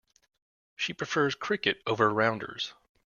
She prefers cricket over rounders.